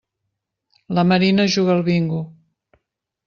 La Marina juga al bingo.